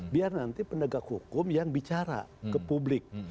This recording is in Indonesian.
biar nanti pendegak hukum yang bicara ke publik